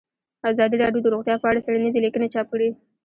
ازادي راډیو د روغتیا په اړه څېړنیزې لیکنې چاپ کړي.